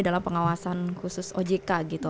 dalam pengawasan khusus ojk